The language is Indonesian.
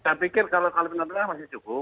saya pikir kalau kalimantan tengah masih cukup